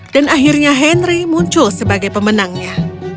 dan akhirnya henry muncul sebagai pemenangnya